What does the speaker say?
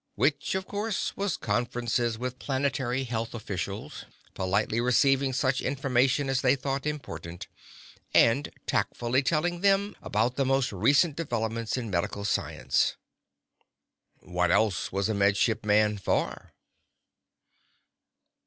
Which, of course, was conferences with planetary health officials, politely receiving such information as they thought important, and tactfully telling them about the most recent developments in medical science. What else was a Med Ship man for?